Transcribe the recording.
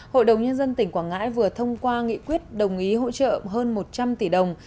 hội đồng nhân dân tỉnh quảng ngãi vừa thông qua nghị quyết đồng ý hỗ trợ hơn một trăm linh tỷ đồng